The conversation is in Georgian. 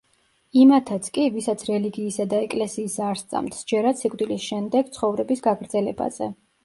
იმათაც კი, ვისაც რელიგიისა და ეკლესიის არ სწამთ, სჯერათ სიკვდილის შენდეგ ცხოვრების გაგრძელებაზე.